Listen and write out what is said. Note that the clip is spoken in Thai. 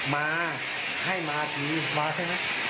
มาให้มาทีมาใช่ไหม